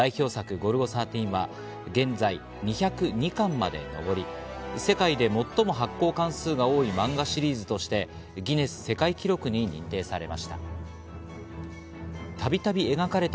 『ゴルゴ１３』は現在、２０２巻までに上り、世界で最も発行巻数が多い漫画シリーズとしてギネス世界記録に認定されました。